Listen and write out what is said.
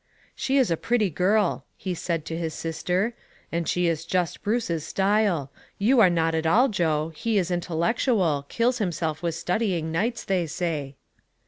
"She is a pretty girl," he said to his sister, "and she is just Bruce's style; you are not at all, Jo ; he is intellectual ; kills himself studying nights, they say."